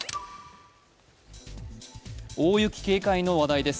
大雪警戒の話題です。